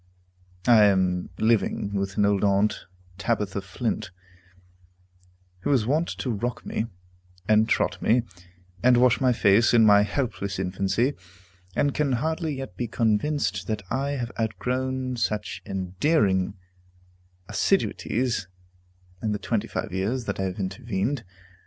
I am living with an old aunt, Tabitha Flint, who was wont to rock me, and trot me, and wash my face, in my helpless infancy, and can hardly yet be convinced that I have outgrown such endearing assiduities in the twenty five years that have intervened.